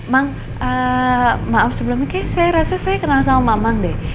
mang maaf sebelumnya saya rasa saya kenal sama mamang deh